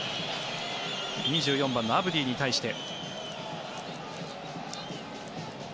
２４番のアブディに対して。